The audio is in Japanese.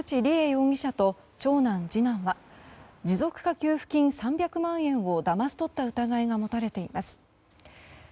容疑者と長男、次男は持続化給付金３００万円をだまし取った疑いが持たれています。